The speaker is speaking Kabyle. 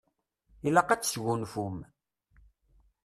Ilaq ad tesgunfum.